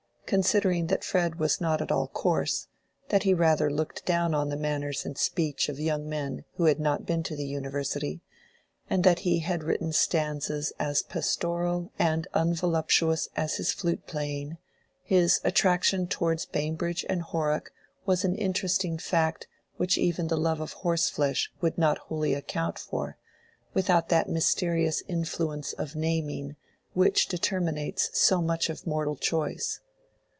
Considering that Fred was not at all coarse, that he rather looked down on the manners and speech of young men who had not been to the university, and that he had written stanzas as pastoral and unvoluptuous as his flute playing, his attraction towards Bambridge and Horrock was an interesting fact which even the love of horse flesh would not wholly account for without that mysterious influence of Naming which determinates so much of mortal choice.